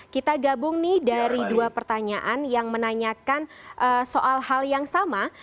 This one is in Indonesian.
kita gabung nih dari dua pertanyaan yang menanyakan soal hal yang sama